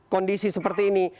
kondisi seperti ini